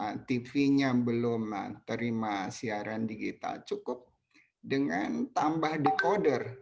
karena tv nya belum terima siaran digital cukup dengan tambah dekoder